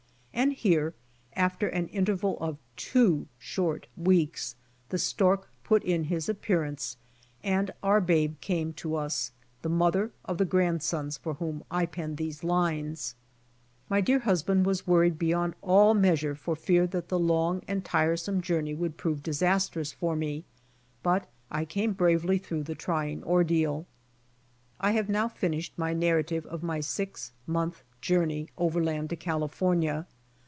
And here, after an interval of two short weeks the stork put in his appearance and our babe came to us, the mother of the grand sons for whom I pen these lines. My dear husband was worried beyond all meas ure for fear that the long and tiresome journey would prove disastrous for me, but I came bravely through the trying ordeal. I have now finished my narrative of my six month journey overland to California.